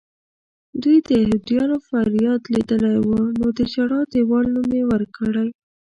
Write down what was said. دوی د یهودیانو فریاد لیدلی و نو د ژړا دیوال نوم یې ورکړی.